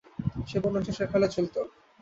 সে বরঞ্চ সেকালে চলত।